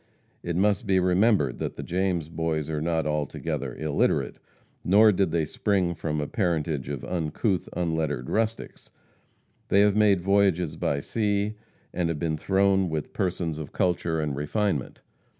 It must be remembered that the James Boys are not altogether illiterate, nor did they spring from a parentage of uncouth, unlettered rustics. They have made voyages by sea, and have been thrown with persons of culture and refinement.